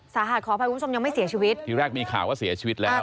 ขออภัยคุณผู้ชมยังไม่เสียชีวิตทีแรกมีข่าวว่าเสียชีวิตแล้ว